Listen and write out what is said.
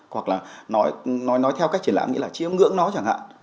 hoặc là nói nói theo cách triển lãm nghĩa là chiếm ngưỡng nó chẳng hạn